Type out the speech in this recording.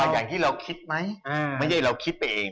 อย่างที่เราคิดไหมไม่ใช่เราคิดไปเอง